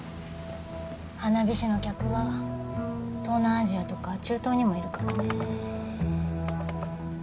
花火師の客は東南アジアとか中東にもいるからねえ